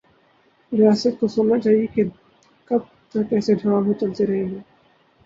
ریاست کو سوچنا چاہیے کہ کب تک ایسے ڈرامے چلتے رہیں گے